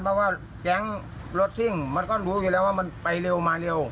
เพราะว่าแก๊งรถซิ่งมันก็รู้อยู่แล้วว่ามันไปเร็วมาเร็ว